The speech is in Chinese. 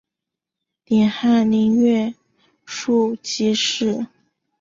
点翰林院庶吉士。